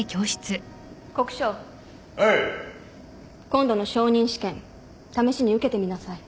今度の昇任試験試しに受けてみなさい。